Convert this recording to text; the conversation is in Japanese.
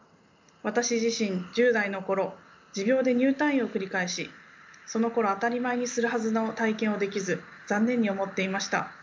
私自身１０代の頃持病で入退院を繰り返しそのころ当たり前にするはずの体験をできず残念に思っていました。